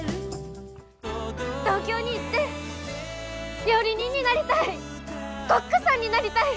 東京に行って料理人になりたい！